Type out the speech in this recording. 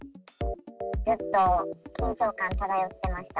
ずっと緊張感漂っていました。